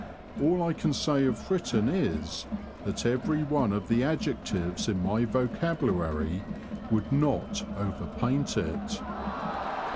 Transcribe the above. All I can say of Fritton is that every one of the adjectives in my vocabulary would not over paint it.